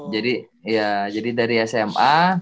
jadi ya jadi dari sma